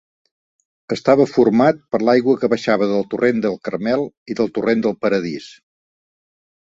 Estava format per l'aigua que baixava del torrent del Carmel i del torrent del Paradís.